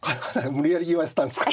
無理やり言わせたんですか？